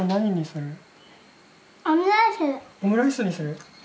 オムライスにする？